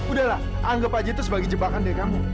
udahlah anggap aja itu sebagai jebakan dari kamu